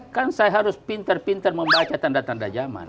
kan saya harus pintar pintar membaca tanda tanda zaman